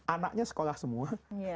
anaknya sekolah semua